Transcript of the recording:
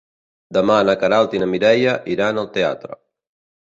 Demà na Queralt i na Mireia iran al teatre.